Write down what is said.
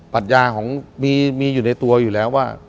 ปัญญาของมีอยู่ในตัวอยู่แล้วว่า